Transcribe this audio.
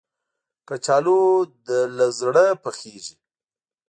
کچالو له زړه نه پخېږي